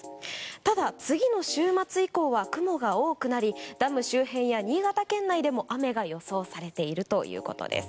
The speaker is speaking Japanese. ただ、次の週末以降は雲が多くなりダム周辺や新潟県内でも雨が予想されているということです。